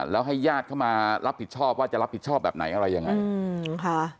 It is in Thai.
แล้วให้ญาติเข้ามารับผิดชอบว่าจะรับผิดชอบแบบไหนอะไรยังไงค่ะ